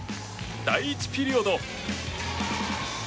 第１ピリオド。